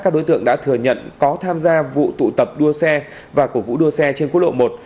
các đối tượng đã thừa nhận có tham gia vụ tụ tập đua xe và cổ vũ đua xe trên quốc lộ một